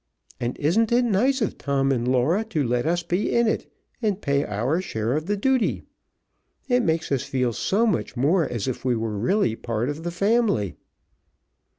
And isn't it nice of Tom and Laura to let us be in it and pay our share of the duty. It makes us feel so much more as if we were really part of the family."